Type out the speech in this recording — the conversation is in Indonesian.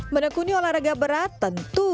menekuni olahraga berat tentu